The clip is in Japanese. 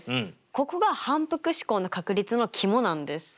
ここが反復試行の確率のキモなんです。